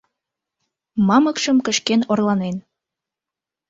Мамыкшым кышкен орланен.